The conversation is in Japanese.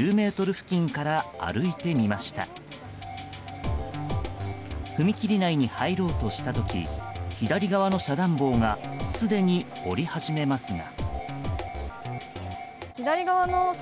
踏切内に入ろうとした時左側の遮断棒がすでに下り始めますが。